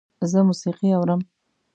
زه موسیقي اورم